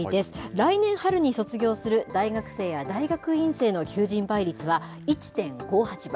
来年春に卒業する大学生や大学院生の求人倍率は１．５８倍。